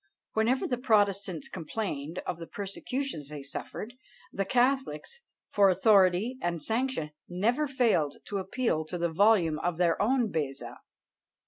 Whenever the protestants complained of the persecutions they suffered, the catholics, for authority and sanction, never failed to appeal to the volume of their own Beza.